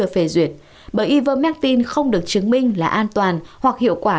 về duyệt bởi ivermectin không được chứng minh là an toàn hoặc hiệu quả